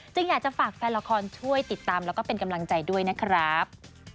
อยากจะฝากแฟนละครช่วยติดตามแล้วก็เป็นกำลังใจด้วยนะครับ